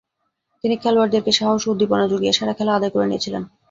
তিনি খেলোয়াড়দেরকে সাহস ও উদ্দীপনা যুগিয়ে সেরা খেলা আদায় করে নিয়েছিলেন।